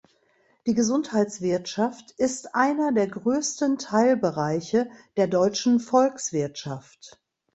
Die Gesundheitswirtschaft ist einer der größten Teilbereiche der deutschen Volkswirtschaft.